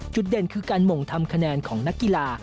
เด่นคือการหม่งทำคะแนนของนักกีฬา